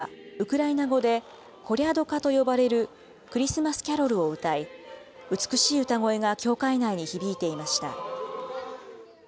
参列者は、ウクライナ語でコリャドカと呼ばれるクリスマスキャロルを歌い、美しい歌声が教会内に響いていました。